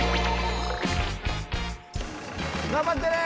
頑張ってね！